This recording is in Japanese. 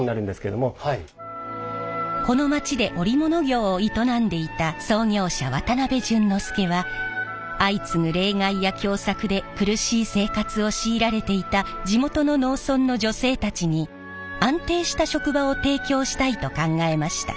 この町で織物業を営んでいた創業者渡辺順之助は相次ぐ冷害や凶作で苦しい生活を強いられていた地元の農村の女性たちに安定した職場を提供したいと考えました。